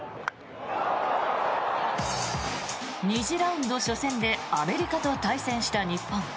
２次ラウンド初戦でアメリカと対戦した日本。